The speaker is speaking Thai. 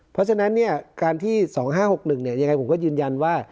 เพราะฉะนั้นการที่๒๕๖๑ยังไงผมก็ยืนยันว่า